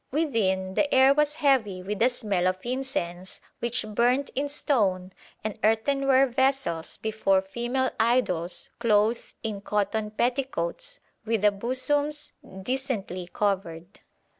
Within, the air was heavy with the smell of incense which burnt in stone and earthenware vessels before female idols clothed in cotton petticoats with the bosoms "decently covered."